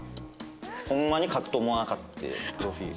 ホンマに書くと思わんかってプロフィール。